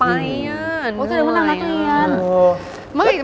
เพราะฉะนั้นว่าทำรักเรียน